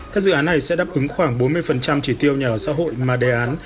các dự án này sẽ đáp ứng khoảng bốn mươi chỉ tiêu nhà ở xã hội mà đề án